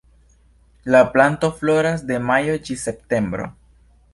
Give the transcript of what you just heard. La planto floras de majo ĝis septembro.